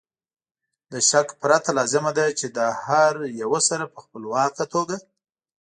له شک پرته لازمه ده چې د هر یو سره په خپلواکه توګه